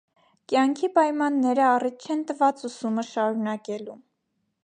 Կեանքի պայմանները առիթ չեն տուած ուսումը շարունակելու։